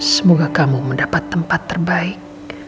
semoga kamu mendapat tempat terbaik